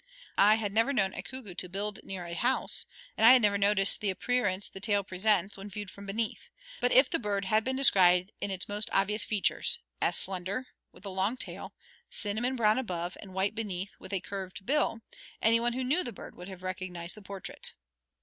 I had never known a cuckoo to build near a house, and I had never noted the appearance the tail presents when viewed from beneath; but if the bird had been described in its most obvious features, as slender, with a long tail, cinnamon brown above and white beneath, with a curved bill, anyone who knew the bird would have recognized the portrait.